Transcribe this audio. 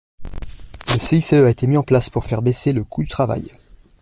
Le CICE a été mis en place pour faire baisser le coût du travail.